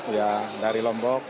ya dari lombok